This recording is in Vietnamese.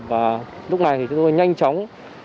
và lúc này chúng tôi nhanh chóng